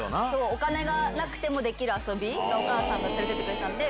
お金がなくてもできる遊びでお母さんが連れてってくれたんで。